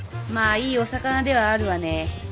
まあいいオサカナではあるわね。